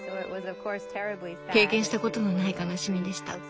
経験したことのない悲しみでした。